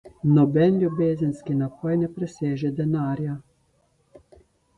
Noben ljubezenski napoj ne preseže denarja.